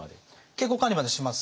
健康管理までします。